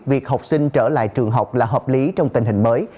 việc học sinh trở lại trường học là hợp lý trong tình hình mới